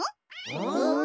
うん？